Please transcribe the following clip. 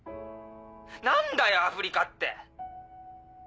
何だよアフリカって！